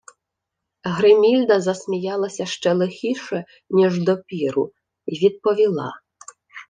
Гримільда засміялася ще лихіше, ніж допіру, й відповіла;